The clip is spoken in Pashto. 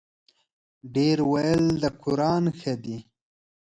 ـ ډېر ویل د قران ښه دی.